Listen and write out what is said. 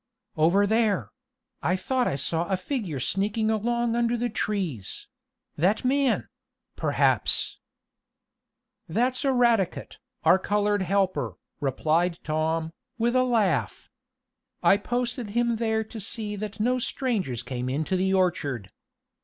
"Over there I thought I saw a figure sneaking along under the trees that man perhaps " "That's Eradicate, our colored helper," replied Tom, with a laugh. "I posted him there to see that no strangers came into the orchard.